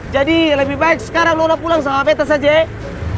jadi lebih baik sekarang nona pulang sama beta saja ya